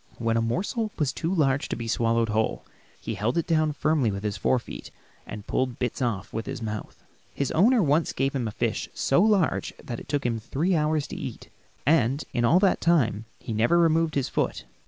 When a morsel was too large to be swallowed whole, he held it down firmly with his fore feet and pulled bits off with his mouth. His owner once gave him a fish so large that it took him three hours to eat it, and in all that time he never removed his foot.